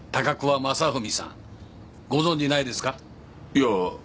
いや。